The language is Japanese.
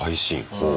ほう。